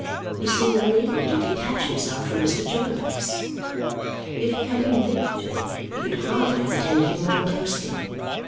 He seemed unable to detach himself from Mr. Jarndyce. If he had been linked to him, he could hardly have attended him more closely.